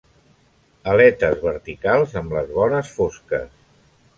Aletes verticals amb les vores fosques.